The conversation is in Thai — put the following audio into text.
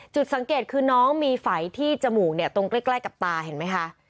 จุดสังเกตคือน้องมีไฝที่จมูกเนี่ยตรงใกล้กับตาเห็นไหมคะ